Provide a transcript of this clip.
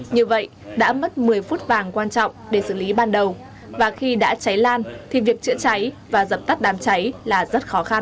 như vậy đã mất một mươi phút vàng quan trọng để xử lý ban đầu và khi đã cháy lan thì việc chữa cháy và dập tắt đám cháy là rất khó khăn